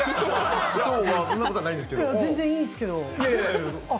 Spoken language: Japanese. いや、全然いいですけど。